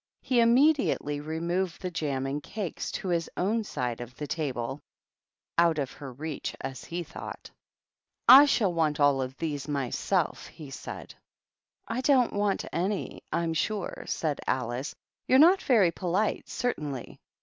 He immediately removed the jam an cakes to his own side of the table, out of h reach as he thought. "I shall want all these myself," he said. "I don't want any, I'm sure," said Ali " You're not very polite, certainly."